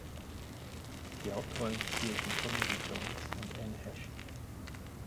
Die Hauptrollen spielten Tommy Lee Jones und Anne Heche.